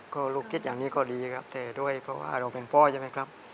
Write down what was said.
ก็ลูกคิดอย่างนี้ก็ดีครับแต่ด้วยเพราะว่าเราเป็นพ่อใช่ไหมครับ